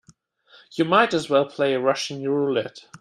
You might as well play Russian roulette.